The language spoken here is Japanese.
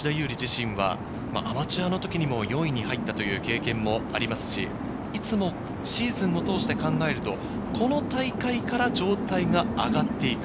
吉田優利自身はアマチュアの時にも４位に入ったという経験もありますし、いつもシーズンを通して考えると、この大会から状態が上がっていく。